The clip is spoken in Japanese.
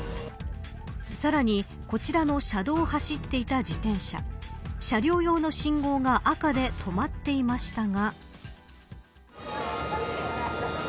さらに、こちらの車道を走っていた自転車車両用の信号が赤で止まっていましたが。